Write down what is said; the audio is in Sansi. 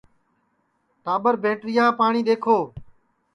ٹاٻر بیٹریا کا پاٹؔی دؔیکھو